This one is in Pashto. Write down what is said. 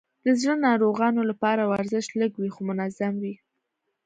د زړه ناروغانو لپاره ورزش لږ وي، خو منظم وي.